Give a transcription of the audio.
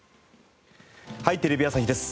『はい！テレビ朝日です』